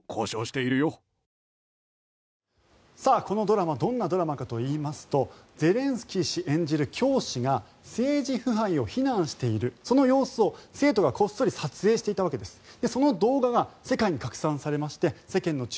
このドラマどんなドラマかといいますとゼレンスキー氏演じる教師が政治腐敗を非難しているその様子を生徒がこっそり撮影していたわけです。